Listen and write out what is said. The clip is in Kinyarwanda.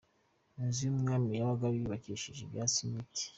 Inzu y’umwami yabaga yubakishije ibyatsi n’ibiti.